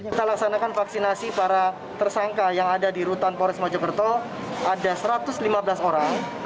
kita laksanakan vaksinasi para tersangka yang ada di rutan polres mojokerto ada satu ratus lima belas orang